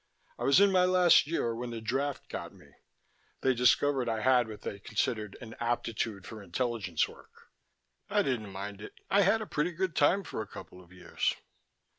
I was in my last year when the draft got me. They discovered I had what they considered an aptitude for intelligence work. I didn't mind it. I had a pretty good time for a couple of years."